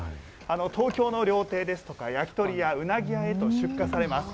東京の料亭ですとか、焼き鳥屋、うなぎ屋へと出荷されます。